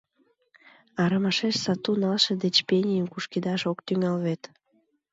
Арымашеш сату налше деч пенийым кушкедаш ок тӱҥал вет.